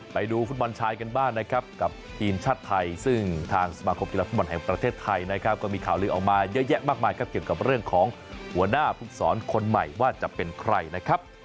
ไปดูฟุตบอลชายกันบ้างนะครับกับทีมชาติไทยซึ่งทางสมาคมกีฬาฟุตบอลแห่งประเทศไทยนะครับก็มีข่าวลือออกมาเยอะแยะมากมายครับเกี่ยวกับเรื่องของหัวหน้าภูกษรคนใหม่ว่าจะเป็นใครนะครับ